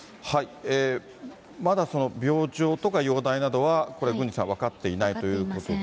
まだ病状とか容体などは、これ、郡司さん分かっていないということで。